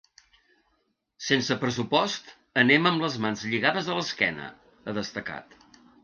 Sense pressupost anem amb les mans lligades a l’esquena, ha destacat.